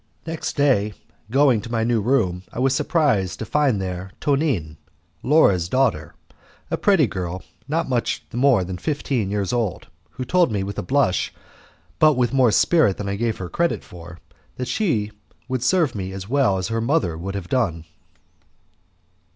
Next day, going to my new room, I was surprised to find there Tonine, Laura's daughter, a pretty girl not more than fifteen years old, who told me with a blush, but with more spirit than I gave her credit for, that she would serve me as well as her mother would have done.